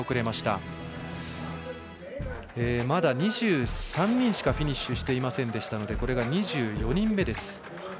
まだ２３人しかフィニッシュしていませんでしたのでこれが２４人目です。